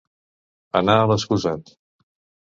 Anar a l'excusat.